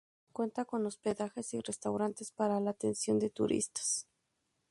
Cuenta con hospedajes y restaurantes para la atención de turistas.